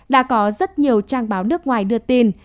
đã có rất nhiều trang báo nước ngoài đưa tin